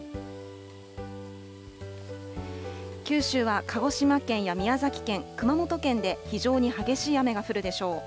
九州は鹿児島県や宮崎県、熊本県で非常に激しい雨が降るでしょう。